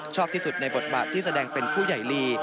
ชอบที่สุดในบทบาทที่แสดงเป็นผู้ใหญ่ลี